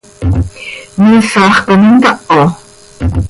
¿Miisax com intaho?